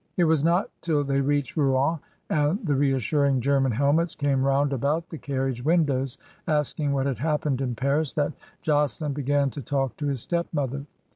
It was not till they reached Rouen, and the reas suring German helmets came round about the car riage windows asking what had happened in Paris, that Josselin began to talk to his stepmother.